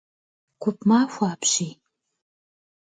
Gup maxue apşiy!